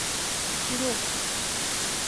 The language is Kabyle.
Ttruɣ.